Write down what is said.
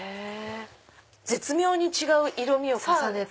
絶妙に違う色みを重ねて。